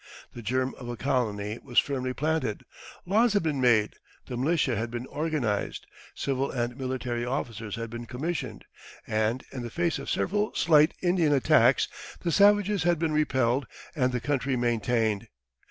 The germ of a colony was firmly planted, laws had been made, the militia had been organized, civil and military officers had been commissioned, and in the face of several slight Indian attacks the savages had been repelled and the country maintained.